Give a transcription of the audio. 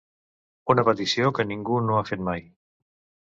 Una petició que ningú no ha fet mai.